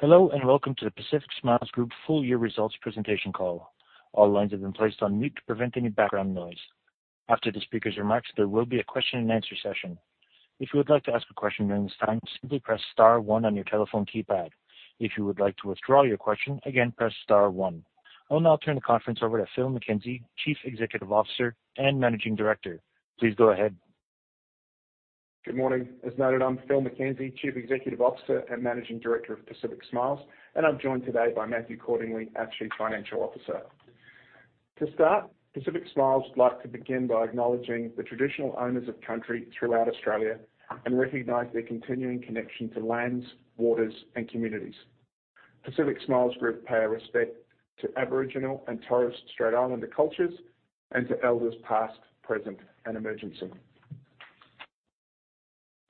Hello, and welcome to the Pacific Smiles Group full-year results presentation call. All lines have been placed on mute to prevent any background noise. After the speaker's remarks, there will be a question-and-answer session. If you would like to ask a question during this time, simply press star one on your telephone keypad. If you would like to withdraw your question, again, press star one. I will now turn the conference over to Phil McKenzie, Chief Executive Officer and Managing Director. Please go ahead. Good morning. As noted, I'm Phil McKenzie, Chief Executive Officer and Managing Director of Pacific Smiles, and I'm joined today by Matthew Cordingley, our Chief Financial Officer. To start, Pacific Smiles would like to begin by acknowledging the traditional owners of country throughout Australia and recognize their continuing connection to lands, waters, and communities. Pacific Smiles Group pay our respect to Aboriginal and Torres Strait Islander cultures and to elders past, present, and emerging.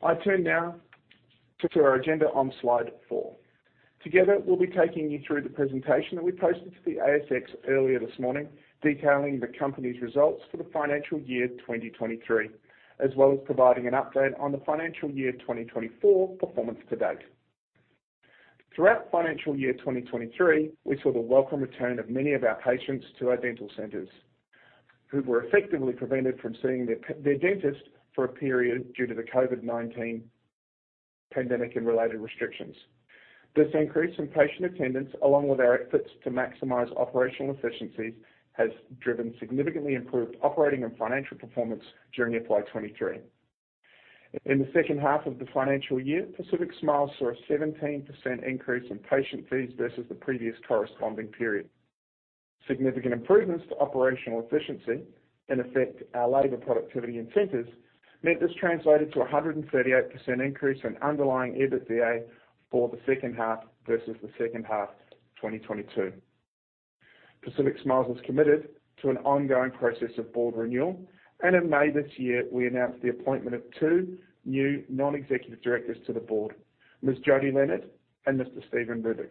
I turn now to our agenda on Slide 4. Together, we'll be taking you through the presentation that we posted to the ASX earlier this morning, detailing the company's results for the financial year 2023, as well as providing an update on the financial year 2024 performance to date. Throughout financial year 2023, we saw the welcome return of many of our patients to our dental centers, who were effectively prevented from seeing their dentist for a period due to the COVID-19 pandemic and related restrictions. This increase in patient attendance, along with our efforts to maximize operational efficiencies, has driven significantly improved operating and financial performance during FY 2023. In the second half of the financial year, Pacific Smiles saw a 17% increase in patient fees versus the previous corresponding period. Significant improvements to operational efficiency and affected our labor productivity in centers meant this translated to a 138 increase in underlying EBITDA for the second half versus the second half of 2022. Pacific Smiles is committed to an ongoing process of board renewal, and in May this year, we announced the appointment of two new non-executive directors to the board, Ms. Jodi Leonard and Mr. Steven Rubic.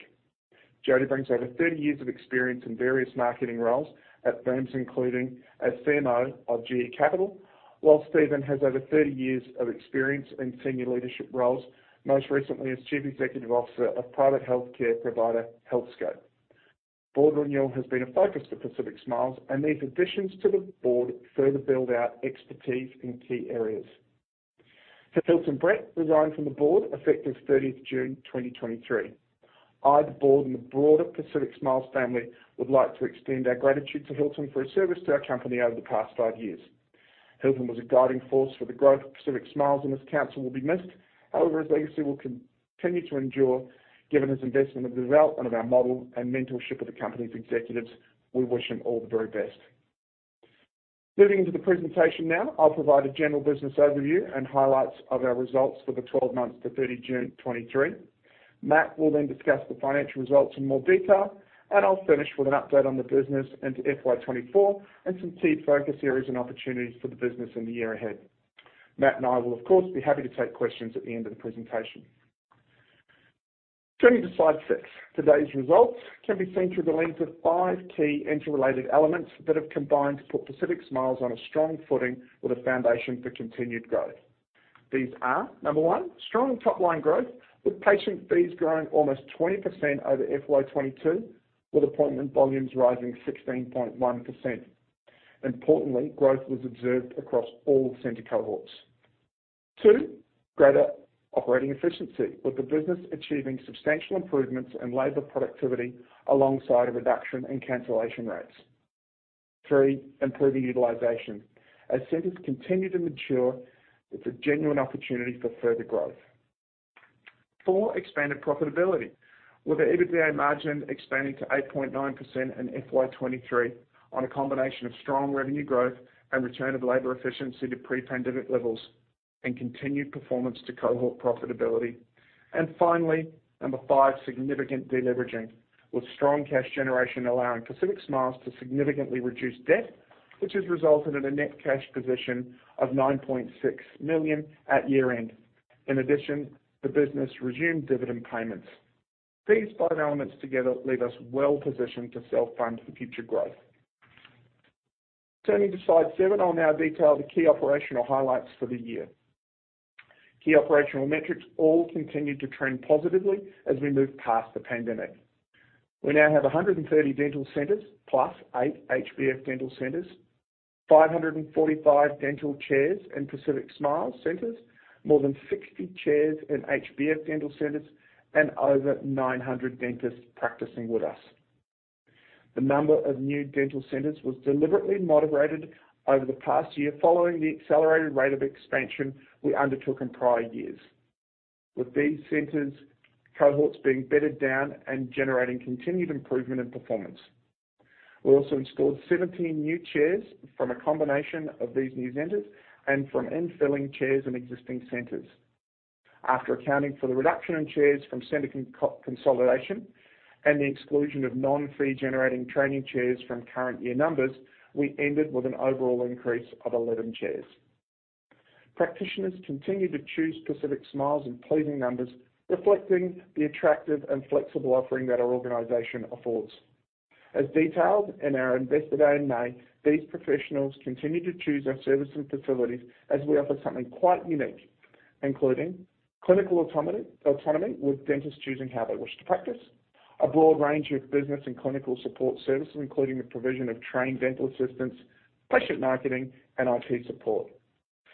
Jodi brings over 30 years of experience in various marketing roles at firms, including as CMO of GE Capital, while Steven has over 30 years of experience in senior leadership roles, most recently as Chief Executive Officer of private healthcare provider Healthscope. Board renewal has been a focus for Pacific Smiles, and these additions to the board further build our expertise in key areas. Hilton Brett resigned from the board effective 30 June 2023. I, the board and the broader Pacific Smiles family, would like to extend our gratitude to Hilton for his service to our company over the past five years. Hilton was a guiding force for the growth of Pacific Smiles, and his counsel will be missed. However, his legacy will continue to endure, given his investment in the development of our model and mentorship of the company's executives. We wish him all the very best. Moving into the presentation now, I'll provide a general business overview and highlights of our results for the 12 months to 30 June 2023. Matt will then discuss the financial results in more detail, and I'll finish with an update on the business into FY 2024 and some key focus areas and opportunities for the business in the year ahead. Matt and I will, of course, be happy to take questions at the end of the presentation. Turning to Slide 6. Today's results can be seen through the lens of five key interrelated elements that have combined to put Pacific Smiles on a strong footing with a foundation for continued growth. These are, number one, strong top-line growth, with patient fees growing almost 20% over FY 2022, with appointment volumes rising 16.1%. Importantly, growth was observed across all center cohorts. Two, greater operating efficiency, with the business achieving substantial improvements in labor productivity alongside a reduction in cancellation rates. Three, improving utilization. As centers continue to mature, it's a genuine opportunity for further growth. Four, expanded profitability, with the EBITDA margin expanding to 8.9% in FY 2023 on a combination of strong revenue growth and return of labor efficiency to pre-pandemic levels and continued performance to cohort profitability. Finally, number 5, significant deleveraging, with strong cash generation allowing Pacific Smiles to significantly reduce debt, which has resulted in a net cash position of 9.6 million at year-end. In addition, the business resumed dividend payments. These five elements together leave us well-positioned to self-fund for future growth. Turning to Slide 7, I'll now detail the key operational highlights for the year. Key operational metrics all continued to trend positively as we moved past the pandemic. We now have 130 dental centers, plus eight HBF Dental centers, 545 dental chairs in Pacific Smiles centers, more than 60 chairs in HBF Dental centers, and over 900 dentists practicing with us. The number of new dental centers was deliberately moderated over the past year following the accelerated rate of expansion we undertook in prior years. With these centers, cohorts being bedded down and generating continued improvement in performance. We also installed 17 new chairs from a combination of these new centers and from in-filling chairs in existing centers. After accounting for the reduction in chairs from center consolidation and the exclusion of non-fee-generating training chairs from current year numbers, we ended with an overall increase of 11 chairs. Practitioners continued to choose Pacific Smiles in pleasing numbers, reflecting the attractive and flexible offering that our organization affords.... As detailed in our Investor Day in May, these professionals continue to choose our services and facilities as we offer something quite unique, including clinical autonomy, autonomy, with dentists choosing how they wish to practice. A broad range of business and clinical support services, including the provision of trained dental assistants, patient marketing, and IT support,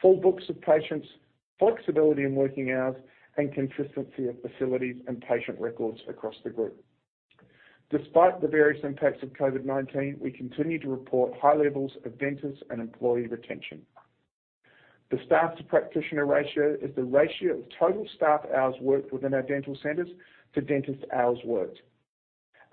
full books of patients, flexibility in working hours, and consistency of facilities and patient records across the group. Despite the various impacts of COVID-19, we continue to report high levels of dentists and employee retention. The staff-to-practitioner ratio is the ratio of total staff hours worked within our dental centers to dentist hours worked.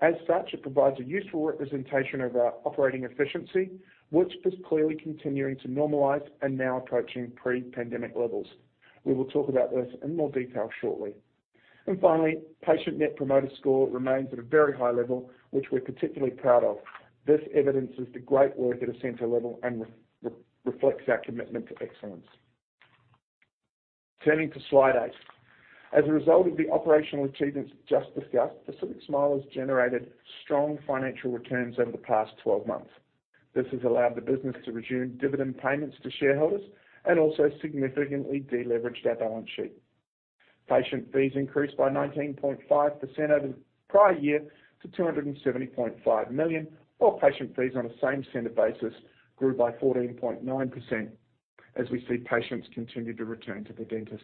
As such, it provides a useful representation of our operating efficiency, which is clearly continuing to normalize and now approaching pre-pandemic levels. We will talk about this in more detail shortly. Finally, patient Net Promoter Score remains at a very high level, which we're particularly proud of. This evidences the great work at a center level and reflects our commitment to excellence. Turning to slide eight. As a result of the operational achievements just discussed, Pacific Smiles generated strong financial returns over the past 12 months. This has allowed the business to resume dividend payments to shareholders and also significantly deleveraged our balance sheet. Patient fees increased by 19.5% over the prior year to 270.5 million, while patient fees on a same center basis grew by 14.9%, as we see patients continue to return to the dentist.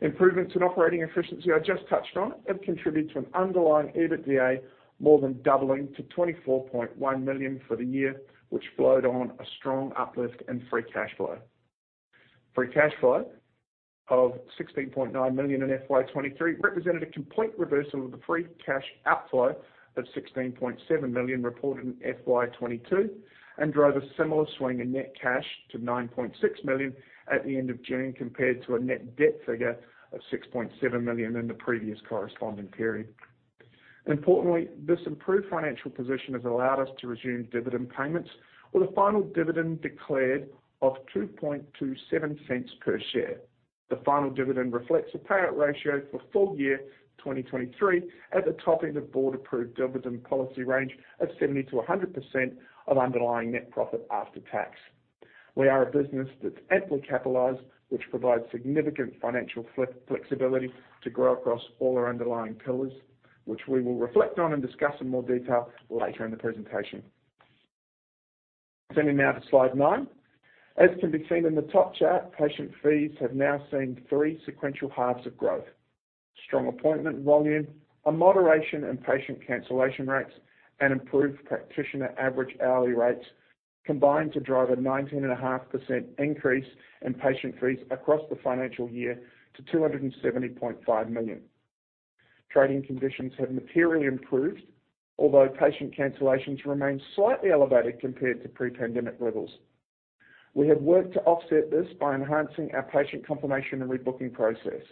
Improvements in operating efficiency I just touched on, have contributed to an underlying EBITDA more than doubling to 24.1 million for the year, which flowed on a strong uplift in free cash flow. Free cash flow of 16.9 million in FY23 represented a complete reversal of the free cash outflow of 16.7 million reported in FY22, and drove a similar swing in net cash to 9.6 million at the end of June, compared to a net debt figure of 6.7 million in the previous corresponding period. Importantly, this improved financial position has allowed us to resume dividend payments, with a final dividend declared of 0.0227 per share. The final dividend reflects a payout ratio for full year 2023 at the top end of board-approved dividend policy range of 70%-100% of underlying net profit after tax. We are a business that's amply capitalized, which provides significant financial flexibility to grow across all our underlying pillars, which we will reflect on and discuss in more detail later in the presentation. Turning now to slide 9. As can be seen in the top chart, patient fees have now seen three sequential halves of growth. Strong appointment volume, a moderation in patient cancellation rates, and improved practitioner average hourly rates combined to drive a 19.5% increase in patient fees across the financial year to 270.5 million. Trading conditions have materially improved, although patient cancellations remain slightly elevated compared to pre-pandemic levels. We have worked to offset this by enhancing our patient confirmation and rebooking process.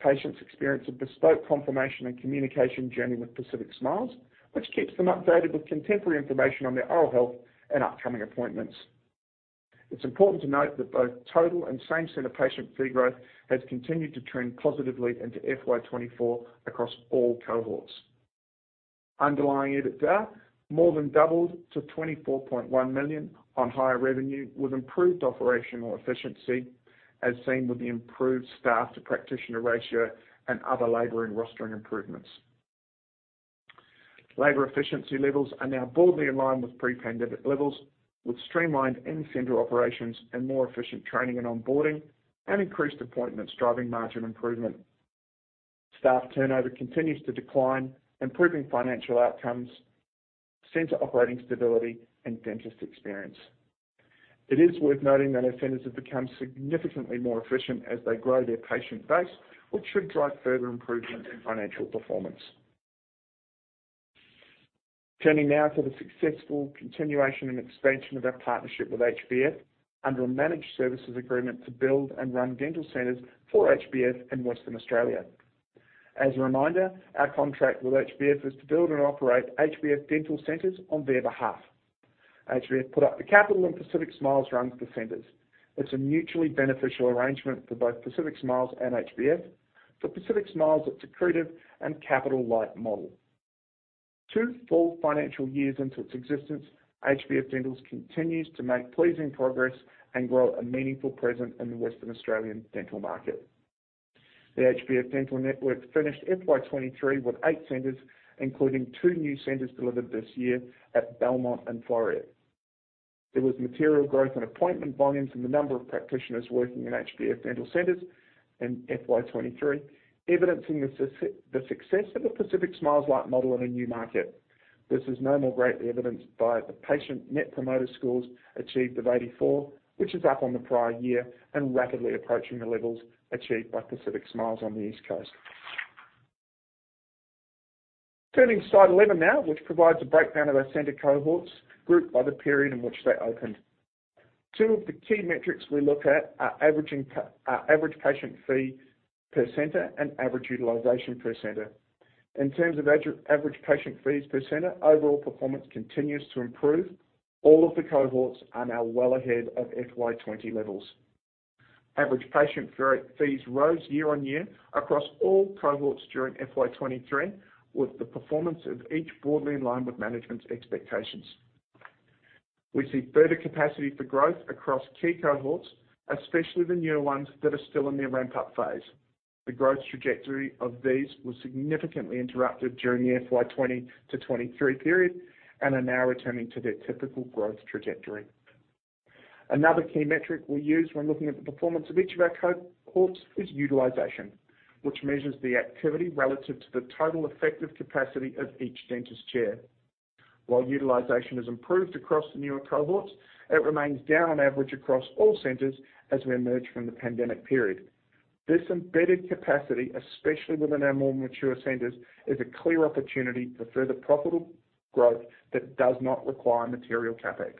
Patients experience a bespoke confirmation and communication journey with Pacific Smiles, which keeps them updated with contemporary information on their oral health and upcoming appointments. It's important to note that both total and same-center patient fee growth has continued to trend positively into FY 2024 across all cohorts. Underlying EBITDA more than doubled to 24.1 million on higher revenue, with improved operational efficiency, as seen with the improved staff-to-practitioner ratio and other labor and rostering improvements. Labor efficiency levels are now broadly in line with pre-pandemic levels, with streamlined in-center operations and more efficient training and onboarding, and increased appointments driving margin improvement. Staff turnover continues to decline, improving financial outcomes, center operating stability, and dentist experience. It is worth noting that our centers have become significantly more efficient as they grow their patient base, which should drive further improvement in financial performance. Turning now to the successful continuation and expansion of our partnership with HBF, under a managed services agreement to build and run dental centers for HBF in Western Australia. As a reminder, our contract with HBF is to build and operate HBF Dental centers on their behalf. HBF put up the capital and Pacific Smiles runs the centers. It's a mutually beneficial arrangement for both Pacific Smiles and HBF. For Pacific Smiles, it's accretive and capital-light model. Two full financial years into its existence, HBF Dental continues to make pleasing progress and grow a meaningful presence in the Western Australian dental market. The HBF Dental network finished FY 2023 with eight centers, including two new centers delivered this year at Belmont and Floreat. There was material growth in appointment volumes and the number of practitioners working in HBF Dental Centers in FY 2023, evidencing the success of the Pacific Smiles light model in a new market. This is no more greatly evidenced by the patient net promoter scores achieved of 84, which is up on the prior year and rapidly approaching the levels achieved by Pacific Smiles on the East Coast. Turning to slide 11 now, which provides a breakdown of our center cohorts, grouped by the period in which they opened. Two of the key metrics we look at are average patient fee per center and average utilization per center. In terms of average patient fees per center, overall performance continues to improve. All of the cohorts are now well ahead of FY 2020 levels. Average patient fees rose year on year across all cohorts during FY 2023, with the performance of each broadly in line with management's expectations. We see further capacity for growth across key cohorts, especially the newer ones that are still in their ramp-up phase. The growth trajectory of these was significantly interrupted during the FY 2020-2023 period, and are now returning to their typical growth trajectory. Another key metric we use when looking at the performance of each of our cohorts is utilization, which measures the activity relative to the total effective capacity of each dentist's chair. While utilization has improved across the newer cohorts, it remains down on average across all centers as we emerge from the pandemic period. This embedded capacity, especially within our more mature centers, is a clear opportunity for further profitable growth that does not require material CapEx.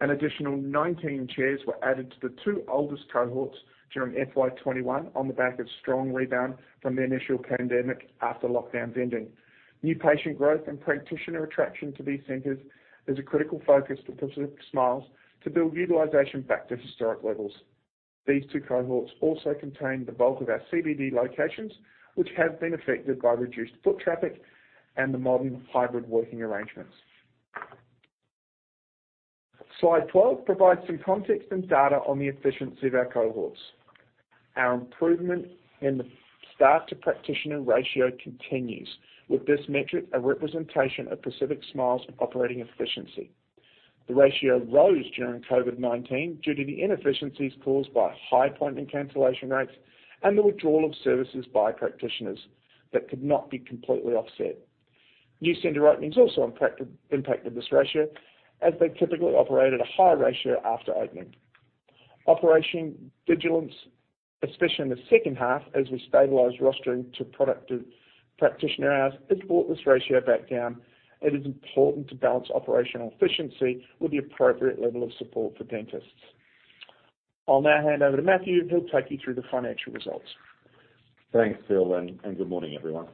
An additional 19 chairs were added to the two oldest cohorts during FY 2021 on the back of strong rebound from the initial pandemic after lockdowns ending. New patient growth and practitioner attraction to these centers is a critical focus for Pacific Smiles to build utilization back to historic levels. These two cohorts also contain the bulk of our CBD locations, which have been affected by reduced foot traffic and the modern hybrid working arrangements. Slide 12 provides some context and data on the efficiency of our cohorts. Our improvement in the staff-to-practitioner ratio continues, with this metric a representation of Pacific Smiles' operating efficiency. The ratio rose during COVID-19 due to the inefficiencies caused by high appointment cancellation rates and the withdrawal of services by practitioners that could not be completely offset. New center openings also impacted this ratio, as they typically operate at a higher ratio after opening. Operational vigilance, especially in the second half, as we stabilize rostering to productive practitioner hours, has brought this ratio back down. It is important to balance operational efficiency with the appropriate level of support for dentists. I'll now hand over to Matthew, who'll take you through the financial results. Thanks, Phil, and good morning, everyone.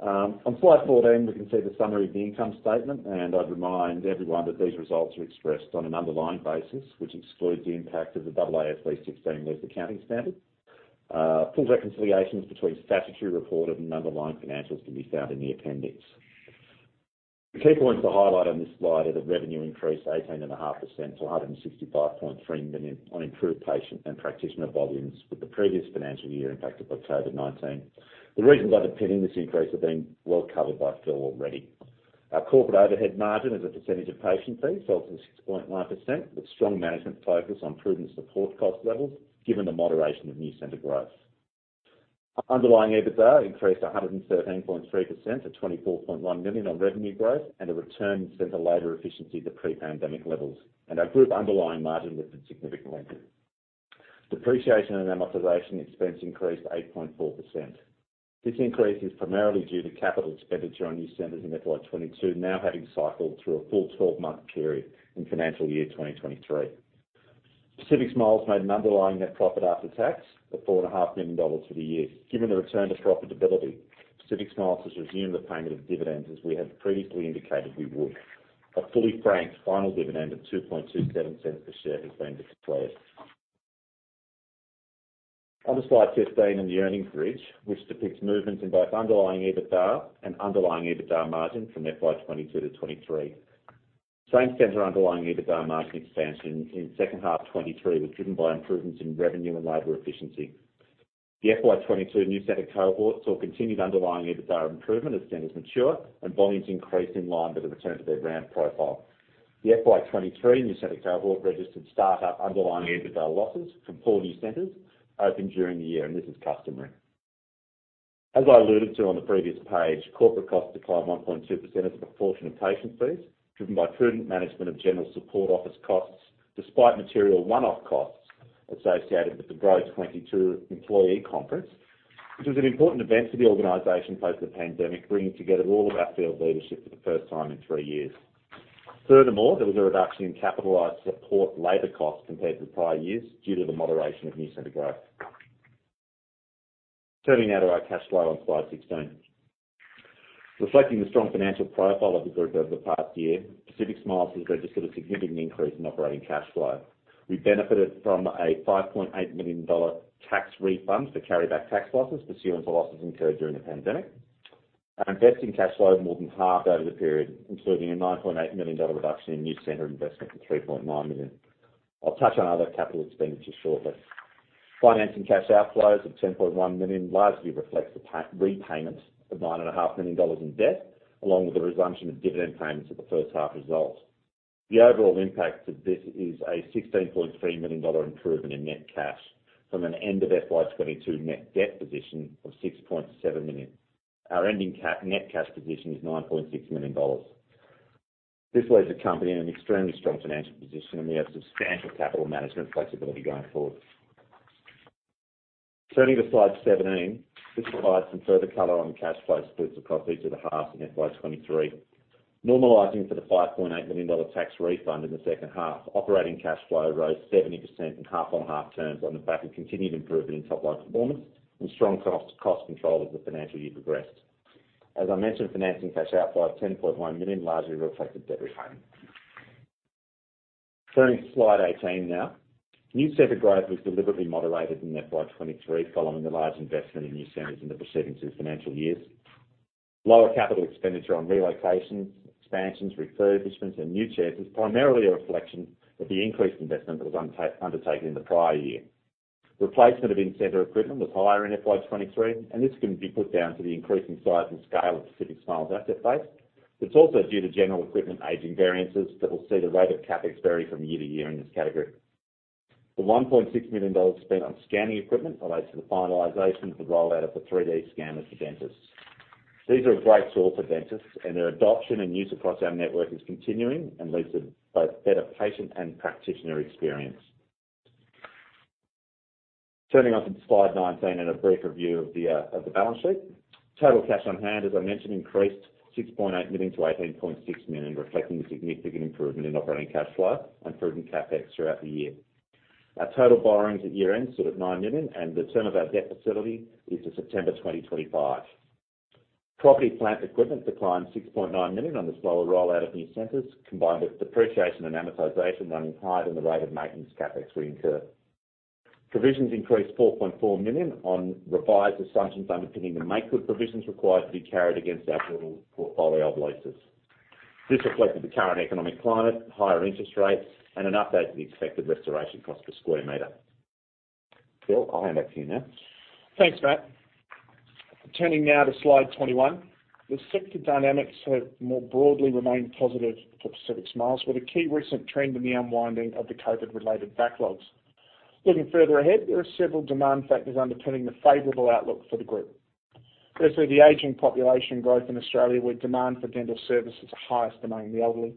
On Slide 14, we can see the summary of the income statement, and I'd remind everyone that these results are expressed on an underlying basis, which excludes the impact of the AASB 16 lease accounting standard. Full reconciliations between statutory reported and underlying financials can be found in the appendix. The key points to highlight on this slide are the revenue increase, 18.5% to 165.3 million on improved patient and practitioner volumes, with the previous financial year impacted by COVID-19. The reasons underpinning this increase have been well covered by Phil already. Our corporate overhead margin as a percentage of patient fees fell to 6.9%, with strong management focus on prudent support cost levels, given the moderation of new center growth. Underlying EBITDA increased 113.3% to 24.1 million on revenue growth and a return to center labor efficiency to pre-pandemic levels, and our group underlying margin was significant. Depreciation and amortization expense increased 8.4%. This increase is primarily due to capital expenditure on new centers in FY 2022, now having cycled through a full 12-month period in financial year 2023. Pacific Smiles made an underlying net profit after tax of 4.5 million dollars for the year. Given the return to profitability, Pacific Smiles has resumed the payment of dividends, as we had previously indicated we would. A fully franked final dividend of 0.0227 per share has been declared. On the Slide 15, in the earnings bridge, which depicts movements in both underlying EBITDA and underlying EBITDA margin from FY 2022 to 2023. Same-center underlying EBITDA margin expansion in second half 2023 was driven by improvements in revenue and labor efficiency. The FY 2022 new center cohort saw continued underlying EBITDA improvement as centers mature and volumes increase in line with the return to their ramp profile. The FY 2023 new center cohort registered start-up underlying EBITDA losses from 4 new centers opened during the year, and this is customary. As I alluded to on the previous page, corporate costs declined 1.2% as a proportion of patient fees, driven by prudent management of general support office costs, despite material one-off costs associated with the Growth 2022 Employee Conference, which was an important event for the organization post the pandemic, bringing together all of our field leadership for the first time in 3 years. Furthermore, there was a reduction in capitalized support labor costs compared to prior years due to the moderation of new center growth. Turning now to our cash flow on Slide 16. Reflecting the strong financial profile of the group over the past year, Pacific Smiles has registered a significant increase in operating cash flow. We benefited from a 5.8 million dollar tax refund for carry-back tax losses pursuant to losses incurred during the pandemic. Our investing cash flow more than halved over the period, including a 9.8 million dollar reduction in new center investment to 3.9 million. I'll touch on other capital expenditures shortly. Financing cash outflows of 10.1 million largely reflects the partial repayment of 9.5 million dollars in debt, along with the resumption of dividend payments at the first half results. The overall impact of this is a 16.3 million dollar improvement in net cash from an end of FY 2022 net debt position of 6.7 million. Our ending net cash position is 9.6 million dollars. This leaves the company in an extremely strong financial position, and we have substantial capital management flexibility going forward. Turning to Slide 17, this provides some further color on the cash flow splits across each of the halves in FY 2023. Normalizing for the 5.8 million dollar tax refund in the second half, operating cash flow rose 70% in half-on-half terms on the back of continued improvement in top-line performance and strong cost control as the financial year progressed.... As I mentioned, financing cash outflow of 10.1 million, largely reflected debt repayment. Turning to Slide 18 now. New center growth was deliberately moderated in FY 2023, following the large investment in new centers in the preceding two financial years. Lower capital expenditure on relocations, expansions, refurbishments, and new chairs is primarily a reflection of the increased investment that was undertaken in the prior year. Replacement of in-center equipment was higher in FY 2023, and this can be put down to the increasing size and scale of Pacific Smiles' asset base. It's also due to general equipment aging variances that will see the rate of CapEx vary from year to year in this category. The 1.6 million dollars spent on scanning equipment relates to the finalization of the rollout of the 3D scanners to dentists. These are a great tool for dentists, and their adoption and use across our network is continuing and leads to both better patient and practitioner experience. Turning on to Slide 19 and a brief review of the of the balance sheet. Total cash on hand, as I mentioned, increased 6.8 million to 18.6 million, reflecting the significant improvement in operating cash flow and improved CapEx throughout the year. Our total borrowings at year-end stood at 9 million, and the term of our debt facility is to September 2025. Property, plant equipment declined 6.9 million on the slower rollout of new centers, combined with depreciation and amortization running higher than the rate of maintenance CapEx we incur. Provisions increased 4.4 million on revised assumptions underpinning the makegood provisions required to be carried against our total portfolio of leases. This reflected the current economic climate, higher interest rates, and an update to the expected restoration cost per square meter. Phil, I'll hand back to you now. Thanks, Matt. Turning now to Slide 21. The sector dynamics have more broadly remained positive for Pacific Smiles, with a key recent trend in the unwinding of the COVID-related backlogs. Looking further ahead, there are several demand factors underpinning the favorable outlook for the group. Firstly, the aging population growth in Australia, where demand for dental services are highest among the elderly.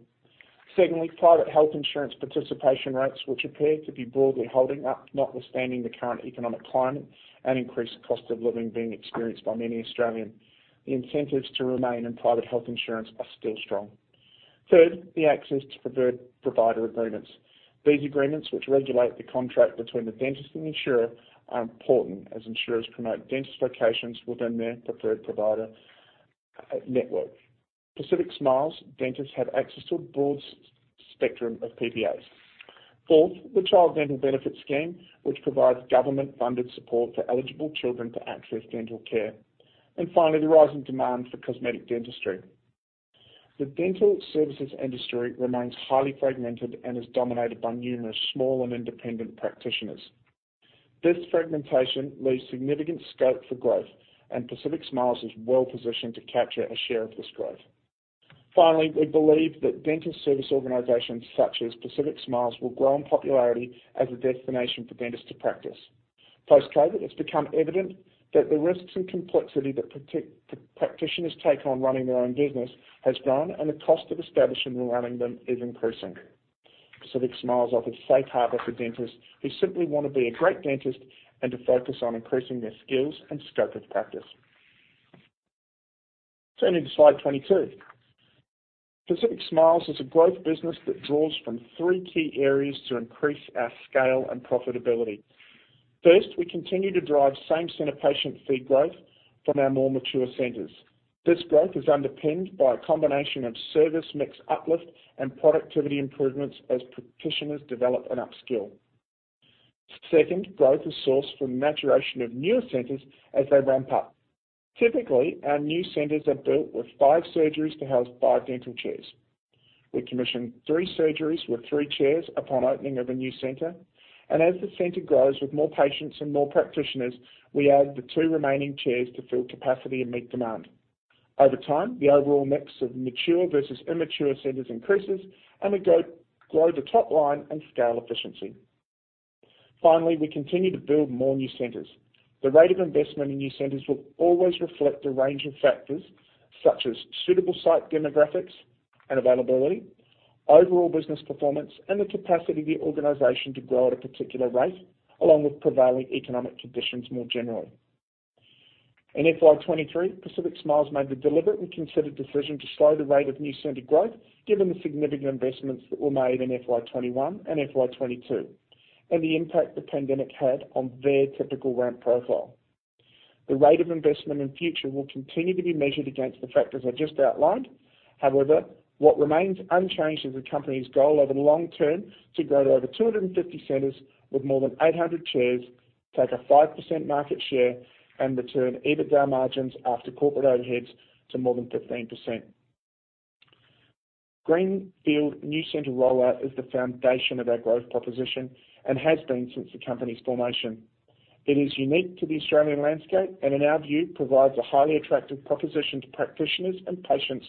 Secondly, private health insurance participation rates, which appear to be broadly holding up, notwithstanding the current economic climate and increased cost of living being experienced by many Australians. The incentives to remain in private health insurance are still strong. Third, the access to preferred provider agreements. These agreements, which regulate the contract between the dentist and the insurer, are important as insurers promote dentist locations within their preferred provider network. Pacific Smiles dentists have access to a broad spectrum of PPAs. Fourth, the Child Dental Benefits Scheme, which provides government-funded support for eligible children to access dental care, and finally, the rise in demand for cosmetic dentistry. The dental services industry remains highly fragmented and is dominated by numerous small and independent practitioners. This fragmentation leaves significant scope for growth, and Pacific Smiles is well-positioned to capture a share of this growth. Finally, we believe that dental service organizations such as Pacific Smiles, will grow in popularity as a destination for dentists to practice. Post-COVID, it's become evident that the risks and complexity that practitioners take on running their own business has grown, and the cost of establishing and running them is increasing. Pacific Smiles offers a safe harbor for dentists who simply wanna be a great dentist and to focus on increasing their skills and scope of practice. Turning to Slide 22. Pacific Smiles is a growth business that draws from three key areas to increase our scale and profitability. First, we continue to drive same-center patient fee growth from our more mature centers. This growth is underpinned by a combination of service, mix uplift, and productivity improvements as practitioners develop and upskill. Second, growth is sourced from the maturation of newer centers as they ramp up. Typically, our new centers are built with 5 surgeries to house 5 dental chairs. We commission 3 surgeries with 3 chairs upon opening of a new center, and as the center grows with more patients and more practitioners, we add the 2 remaining chairs to fill capacity and meet demand. Over time, the overall mix of mature versus immature centers increases, and we grow the top line and scale efficiency. Finally, we continue to build more new centers. The rate of investment in new centers will always reflect the range of factors such as suitable site demographics and availability, overall business performance, and the capacity of the organization to grow at a particular rate, along with prevailing economic conditions more generally. In FY 2023, Pacific Smiles made the deliberate and considered decision to slow the rate of new center growth, given the significant investments that were made in FY 2021 and FY 2022, and the impact the pandemic had on their typical ramp profile. The rate of investment in future will continue to be measured against the factors I just outlined. However, what remains unchanged is the company's goal over the long term to grow to over 250 centers with more than 800 chairs, take a 5% market share, and return EBITDA margins after corporate overheads to more than 15%. Greenfield new center rollout is the foundation of our growth proposition and has been since the company's formation. It is unique to the Australian landscape and, in our view, provides a highly attractive proposition to practitioners and patients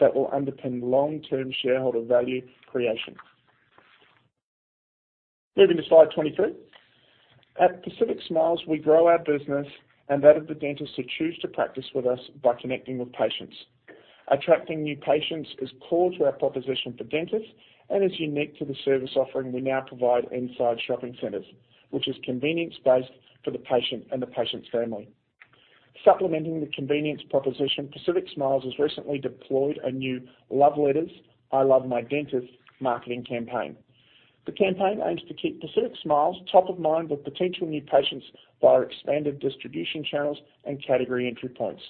that will underpin long-term shareholder value creation. Moving to Slide 22. At Pacific Smiles, we grow our business and that of the dentists who choose to practice with us by connecting with patients. Attracting new patients is core to our proposition for dentists and is unique to the service offering we now provide inside shopping centers, which is convenience-based for the patient and the patient's family. Supplementing the convenience proposition, Pacific Smiles has recently deployed a new Love Letters: I Love My Dentist marketing campaign. The campaign aims to keep Pacific Smiles top of mind with potential new patients via our expanded distribution channels and category entry points.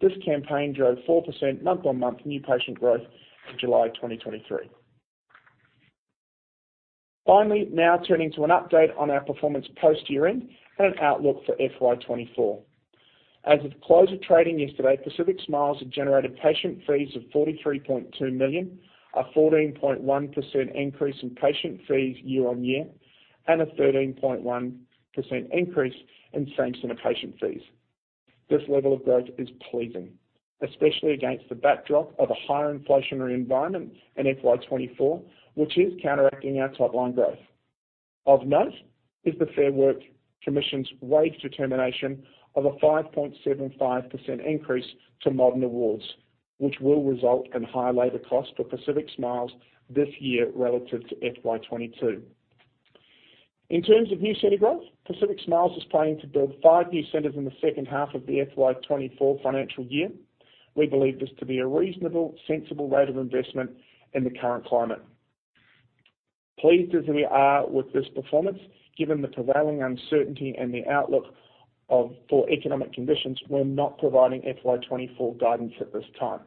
This campaign drove 4% month-on-month new patient growth in July 2023. Finally, now turning to an update on our performance post-year-end and an outlook for FY 2024. As of the close of trading yesterday, Pacific Smiles had generated patient fees of 43.2 million, a 14.1% increase in patient fees year-on-year, and a 13.1% increase in same-center patient fees. This level of growth is pleasing, especially against the backdrop of a higher inflationary environment in FY 2024, which is counteracting our top-line growth. Of note is the Fair Work Commission's wage determination of a 5.75% increase to Modern awards, which will result in higher labor costs for Pacific Smiles this year relative to FY 2022. In terms of new center growth, Pacific Smiles is planning to build 5 new centers in the second half of the FY 2024 financial year. We believe this to be a reasonable, sensible rate of investment in the current climate. Pleased as we are with this performance, given the prevailing uncertainty and the outlook for economic conditions, we're not providing FY 2024 guidance at this time.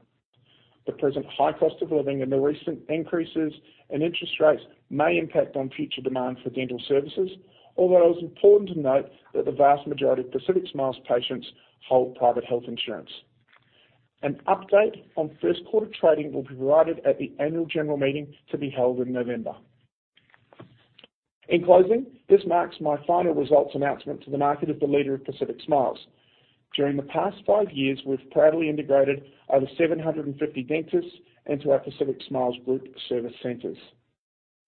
The present high cost of living and the recent increases in interest rates may impact on future demand for dental services, although it's important to note that the vast majority of Pacific Smiles patients hold private health insurance. An update on first quarter trading will be provided at the annual general meeting to be held in November. In closing, this marks my final results announcement to the market as the leader of Pacific Smiles. During the past five years, we've proudly integrated over 750 dentists into our Pacific Smiles Group service centers.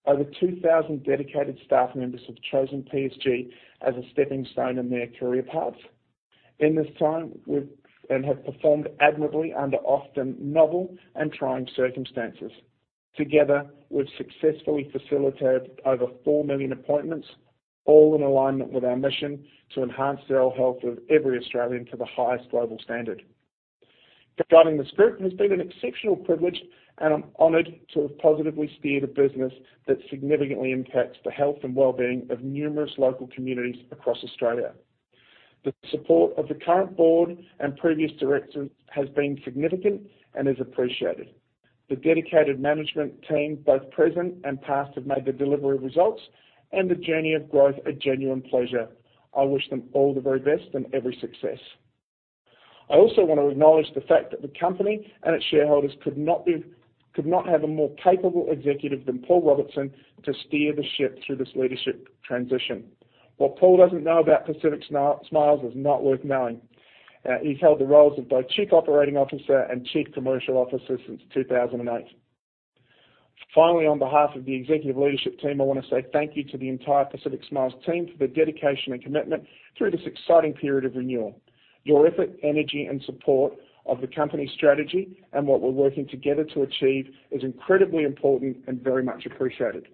Over 2,000 dedicated staff members have chosen PSG as a stepping stone in their career paths. In this time, we've and have performed admirably under often novel and trying circumstances. Together, we've successfully facilitated over 4 million appointments, all in alignment with our mission to enhance the oral health of every Australian to the highest global standard. Guiding this group has been an exceptional privilege, and I'm honored to have positively steered a business that significantly impacts the health and well-being of numerous local communities across Australia. The support of the current board and previous directors has been significant and is appreciated. The dedicated management team, both present and past, have made the delivery of results and the journey of growth a genuine pleasure. I wish them all the very best and every success. I also want to acknowledge the fact that the company and its shareholders could not have a more capable executive than Paul Robertson to steer the ship through this leadership transition. What Paul doesn't know about Pacific Smiles is not worth knowing. He's held the roles of both Chief Operating Officer and Chief Commercial Officer since 2008. Finally, on behalf of the executive leadership team, I want to say thank you to the entire Pacific Smiles team for their dedication and commitment through this exciting period of renewal. Your effort, energy, and support of the company's strategy and what we're working together to achieve is incredibly important and very much appreciated.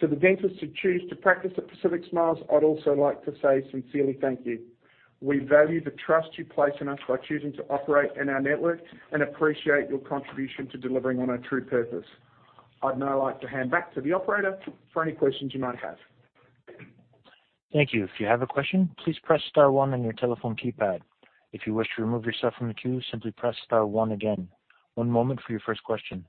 To the dentists who choose to practice at Pacific Smiles, I'd also like to say sincerely thank you. We value the trust you place in us by choosing to operate in our network and appreciate your contribution to delivering on our true purpose. I'd now like to hand back to the operator for any questions you might have. Thank you. If you have a question, please press star one on your telephone keypad. If you wish to remove yourself from the queue, simply press star one again. One moment for your first question.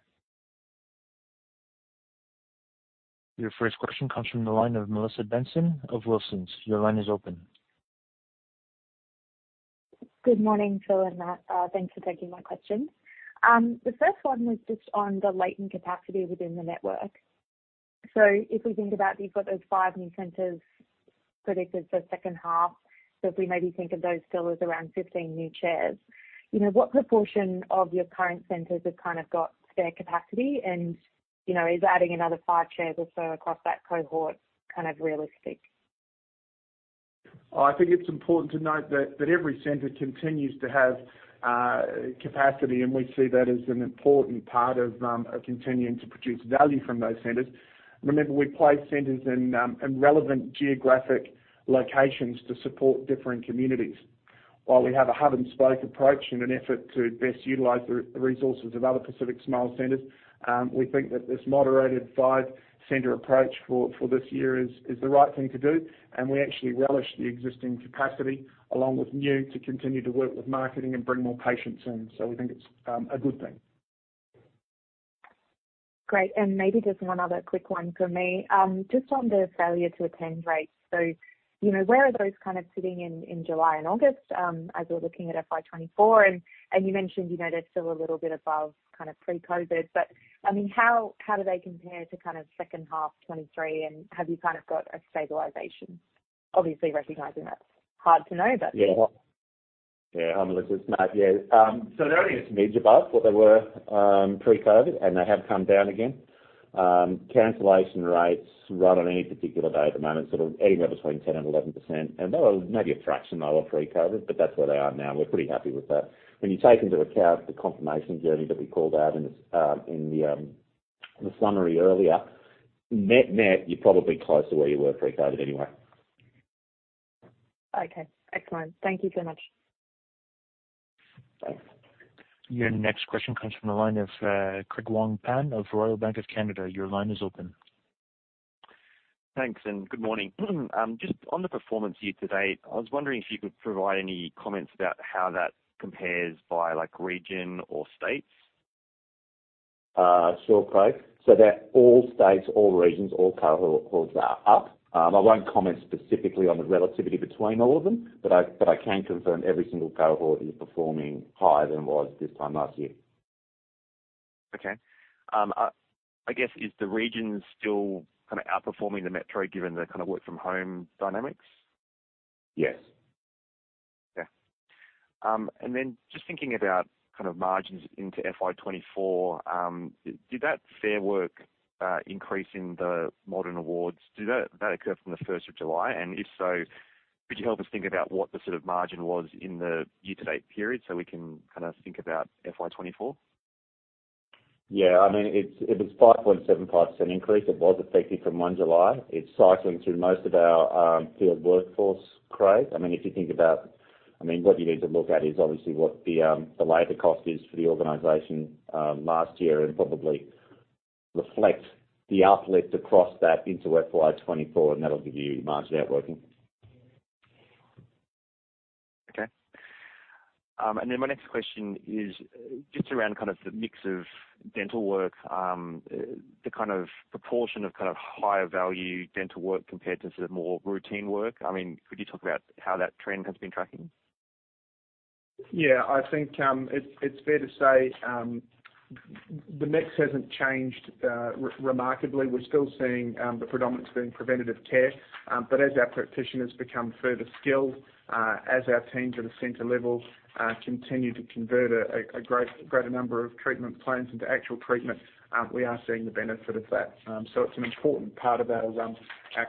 Your first question comes from the line of Melissa Benson of Wilsons. Your line is open. Good morning, Phil and Matt. Thanks for taking my question. The first one was just on the latent capacity within the network. So if we think about, you've got those 5 new centers predicted for the second half. So if we maybe think of those still as around 15 new chairs, you know, what proportion of your current centers have kind of got spare capacity? And, you know, is adding another 5 chairs or so across that cohort kind of realistic? I think it's important to note that every center continues to have capacity, and we see that as an important part of continuing to produce value from those centers. Remember, we place centers in relevant geographic locations to support different communities. While we have a hub-and-spoke approach in an effort to best utilize the resources of other Pacific Smiles centers, we think that this moderated five-center approach for this year is the right thing to do, and we actually relish the existing capacity along with new, to continue to work with marketing and bring more patients in. So we think it's a good thing. Great, and maybe just one other quick one for me. Just on the failure to attend rates. So, you know, where are those kind of sitting in, in July and August, as we're looking at FY 2024? And you mentioned, you know, they're still a little bit above kind of pre-COVID, but I mean, how do they compare to kind of second half 2023, and have you kind of got a stabilization? Obviously, recognizing that's hard to know, but- Yeah. Yeah, hi, Melissa, it's Matt. Yeah, so they're only just mid above what they were, pre-COVID, and they have come down again. Cancellation rates right on any particular day at the moment is sort of anywhere between 10% and 11%, and they were maybe a fraction lower pre-COVID, but that's where they are now, and we're pretty happy with that. When you take into account the confirmation journey that we called out in the, in the, the summary earlier, net-net, you're probably close to where you were pre-COVID anyway.... Okay, excellent. Thank you so much. Your next question comes from the line of, Craig Wong Pan of Royal Bank of Canada. Your line is open. Thanks, and good morning. Just on the performance year to date, I was wondering if you could provide any comments about how that compares by like, region or states? Sure, Craig. So they're all states, all regions, all cohorts are up. I won't comment specifically on the relativity between all of them, but I can confirm every single cohort is performing higher than it was this time last year. Okay. I guess, is the region still kind of outperforming the metro, given the kind of work from home dynamics? Yes. Yeah. And then just thinking about kind of margins into FY 2024, did that Fair Work increase in the modern awards occur from the first of July? And if so, could you help us think about what the sort of margin was in the year-to-date period so we can kind of think about FY 2024? Yeah, I mean, it was a 5.75% increase. It was effective from 1 July. It's cycling through most of our field workforce, Craig. I mean, if you think about- I mean, what you need to look at is obviously what the labor cost is for the organization last year, and probably reflect the uplift across that into FY 2024, and that'll give you margin outworking. Okay. And then my next question is just around kind of the mix of dental work, the kind of proportion of kind of higher value dental work compared to the more routine work. I mean, could you talk about how that trend has been tracking? Yeah, I think it's fair to say the mix hasn't changed remarkably. We're still seeing the predominance being preventive care. But as our practitioners become further skilled, as our teams at a center level continue to convert a greater number of treatment plans into actual treatment, we are seeing the benefit of that. So it's an important part of our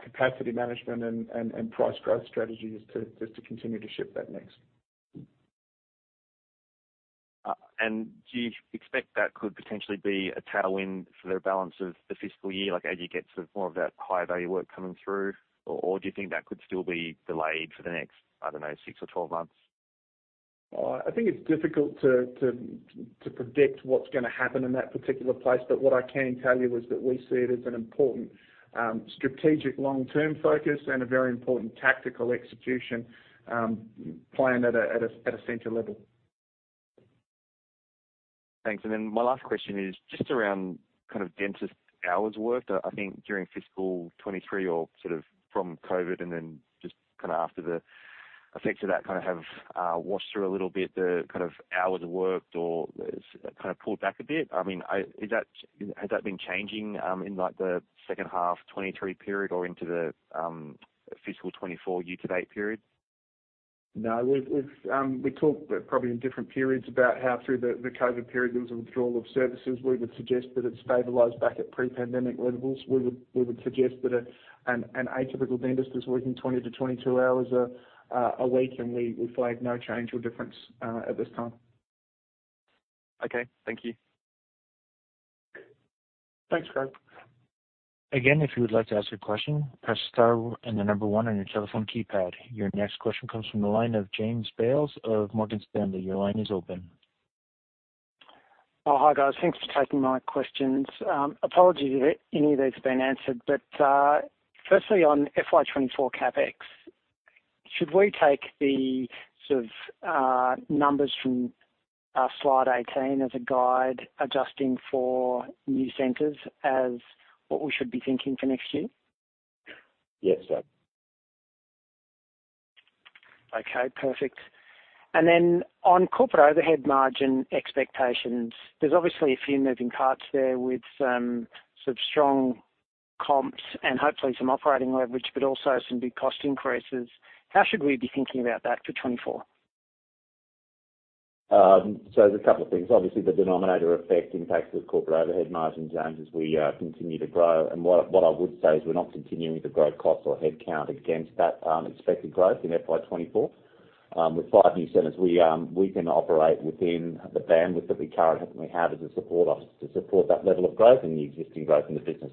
capacity management and price growth strategy to just continue to shift that mix. Do you expect that could potentially be a tailwind for the balance of the fiscal year, like, as you get sort of more of that high-value work coming through? Or, or do you think that could still be delayed for the next, I don't know, 6 or 12 months? I think it's difficult to predict what's gonna happen in that particular place, but what I can tell you is that we see it as an important strategic long-term focus and a very important tactical execution, playing at a center level. Thanks. And then my last question is just around kind of dentist hours worked. I think during fiscal 2023 or sort of from COVID and then just kinda after the effects of that, kind of have washed through a little bit, the kind of hours worked or kind of pulled back a bit. I mean, is that has that been changing in like the second half 2023 period or into the fiscal 2024 year to date period? No, we've talked probably in different periods about how through the COVID period there was a withdrawal of services. We would suggest that it's stabilized back at pre-pandemic levels. We would suggest that an atypical dentist is working 20-22 hours a week, and we flag no change or difference at this time. Okay, thank you. Thanks, Craig. Again, if you would like to ask a question, press star and the number one on your telephone keypad. Your next question comes from the line of James Bales of Morgan Stanley. Your line is open. Oh, hi, guys. Thanks for taking my questions. Apologies if any of these have been answered, but, firstly on FY 2024 CapEx, should we take the sort of, numbers from, slide 18 as a guide, adjusting for new centers as what we should be thinking for next year? Yes, sir. Okay, perfect. Then on corporate overhead margin expectations, there's obviously a few moving parts there with some strong comps and hopefully some operating leverage, but also some big cost increases. How should we be thinking about that for 2024? So there's a couple of things. Obviously, the denominator effect impacts the corporate overhead margin, James, as we continue to grow. And what I would say is we're not continuing to grow costs or headcount against that expected growth in FY 2024. With 5 new centers, we can operate within the bandwidth that we currently have as a support office to support that level of growth and the existing growth in the business.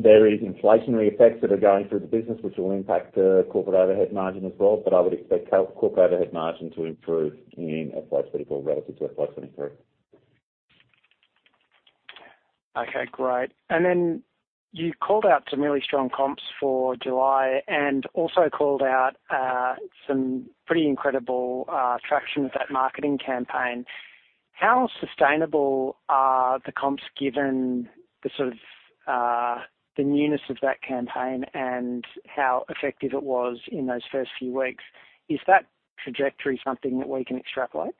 There is inflationary effects that are going through the business, which will impact the corporate overhead margin as well, but I would expect corporate overhead margin to improve in FY 2024 relative to FY 2023. Okay, great. And then you called out some really strong comps for July and also called out some pretty incredible traction with that marketing campaign. How sustainable are the comps, given the sort of newness of that campaign and how effective it was in those first few weeks? Is that trajectory something that we can extrapolate?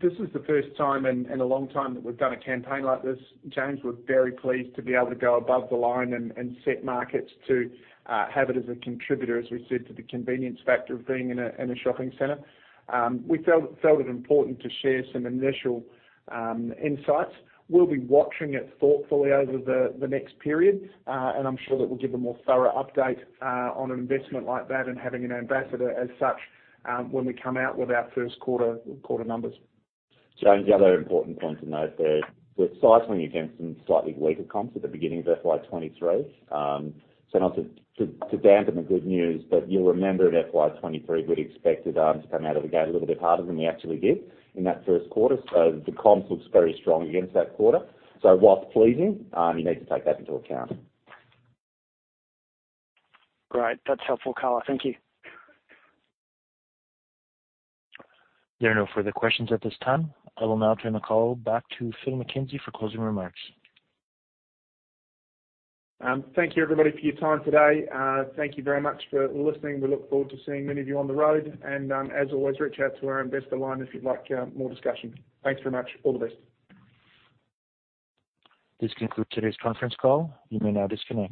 This is the first time in a long time that we've done a campaign like this. James, we're very pleased to be able to go above the line and set markets to have it as a contributor, as we said, to the convenience factor of being in a shopping center. We felt it important to share some initial insights. We'll be watching it thoughtfully over the next period, and I'm sure that we'll give a more thorough update on an investment like that and having an ambassador as such when we come out with our first quarter numbers. James, the other important point to note there, we're cycling against some slightly weaker comps at the beginning of FY 2023. So not to dampen the good news, but you'll remember in FY 2023, we'd expected to come out of the gate a little bit harder than we actually did in that first quarter. So the comps looks very strong against that quarter. So whilst pleasing, you need to take that into account. Great. That's helpful color. Thank you. There are no further questions at this time. I will now turn the call back to Phil McKenzie for closing remarks. Thank you, everybody, for your time today. Thank you very much for listening. We look forward to seeing many of you on the road, and, as always, reach out to our investor line if you'd like, more discussion. Thanks very much. All the best. This concludes today's conference call. You may now disconnect.